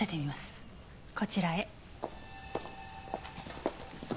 こちらへ。